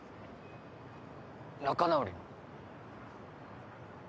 仲直り。